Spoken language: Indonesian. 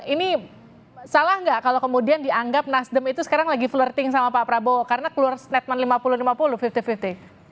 ini salah nggak kalau kemudian dianggap nasdem itu sekarang lagi florting sama pak prabowo karena keluar statement lima puluh lima puluh lima puluh lima puluh